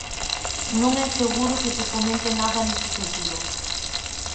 Non é seguro que se fomente nada neste sentido.